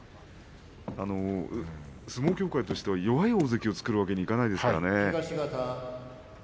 相撲協会としては弱い大関を作るわけにはいかないですからね。